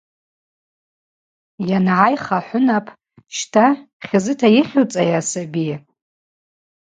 Йангӏайх ахӏвынап: – Щта, хьзыта йыхьуцӏайа асаби?